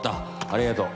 ありがとう。